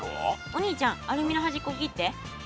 お兄ちゃんアルミのはじっこ切って。